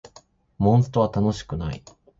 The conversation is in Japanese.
モンストは楽しくない